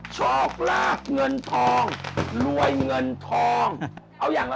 ชอกรากเงินทองรวยเงินทอง